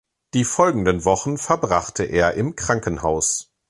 Die folgenden Wochen verbrachte er im Krankenhaus.